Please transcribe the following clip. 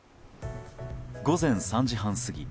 午前３時半過ぎ